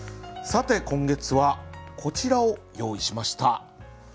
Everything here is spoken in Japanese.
さて今月はこちらを用意しました。